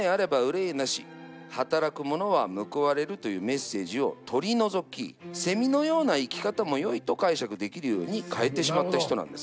「働くものは報われる」というメッセージを取り除き「セミのような生き方も良い」と解釈できるように変えてしまった人なんですね。